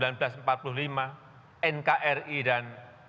nkri dan pemilihan umum